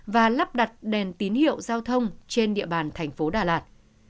và lắp đặt đèn tín hiệu giao thông trên địa bàn tp đà lạt